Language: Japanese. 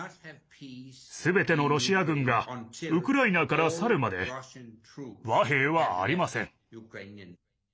すべてのロシア軍がウクライナから去るまで和平はありません。